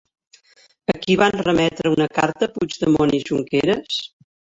A qui van remetre una carta Puigdemont i Junqueras?